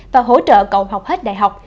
và hỗ trợ cậu học hết đại học